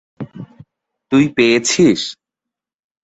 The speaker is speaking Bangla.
তুই পেয়েছিস?